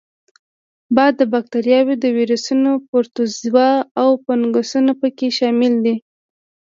با کتریاوې، ویروسونه، پروتوزوا او فنګسونه په کې شامل دي.